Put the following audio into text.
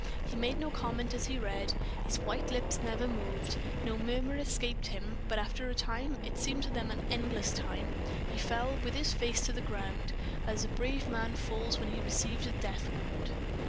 He made no comment as he read, his white lips never moved, no murmur escaped him; but, after a time it seemed to them endless time he fell with his face to the ground, as a brave man falls when he receives a death wound.